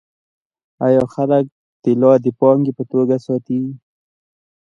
آیا خلک طلا د پانګې په توګه ساتي؟